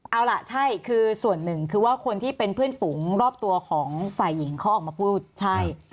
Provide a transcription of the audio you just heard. เอาล่ะใช่คือส่วนหนึ่งคือว่าคนที่เป็นเพื่อนฝูงรอบตัวของฝ่ายหญิงเขาออกมาพูดใช่